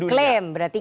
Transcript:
itu klaim berarti kan